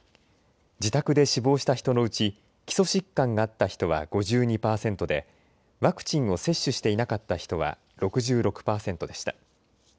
自宅で死亡した人のうち基礎疾患があった人は５２％でワクチンを接種していなかった人は６６％でした。